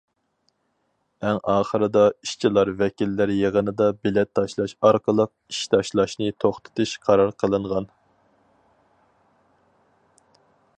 ئەڭ ئاخىرىدا ئىشچىلار ۋەكىللەر يىغىنىدا بېلەت تاشلاش ئارقىلىق ئىش تاشلاشنى توختىتىش قارار قىلىنغان.